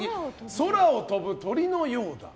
空を飛ぶ鳥のようだ。